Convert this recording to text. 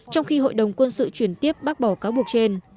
trong khi hội đồng quân sự chuyển tiếp bác bỏ cáo buộc trên